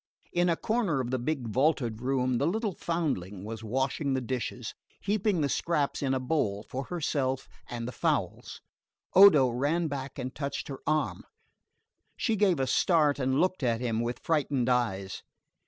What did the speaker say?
In a corner of the big vaulted room the little foundling was washing the dishes, heaping the scraps in a bowl for herself and the fowls. Odo ran back and touched her arm. She gave a start and looked at him with frightened eyes.